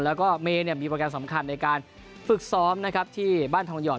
แล้วก็เมย์มีโปรแกรมสำคัญในการฝึกซ้อมนะครับที่บ้านทองหยอด